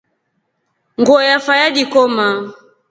Nguo yafa yajikoma.